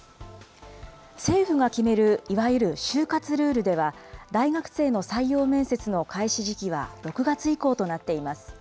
政府が決めるいわゆる就活ルールでは、大学生の採用面接の開始時期は６月以降となっています。